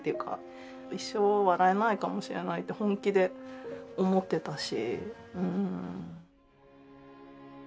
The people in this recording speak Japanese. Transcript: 一生笑えないかもしれないって本気で思っていたし。